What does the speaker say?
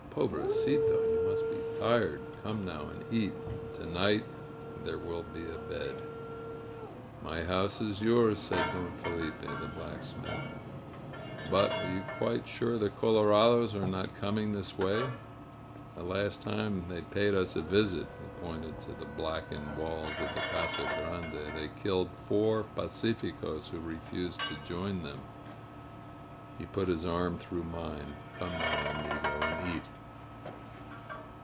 Pobre cito! You must be tired! Come now and eat. And to night there will be a bed.'' "My house is yours," said Don Felipe, the black smith, ^^ut are you quite sure the colorados are not coming this way? The last time they paid us a visit" (he pointed to the blackened walls of the Casa Grande) "they killed four pacificos who refused to join them." He put his arm through mine. "Come now, amigo, and eat."